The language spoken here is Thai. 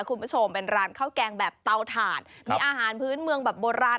คุณผู้ชมเป็นร้านข้าวแกงแบบเตาถ่านมีอาหารพื้นเมืองแบบโบราณ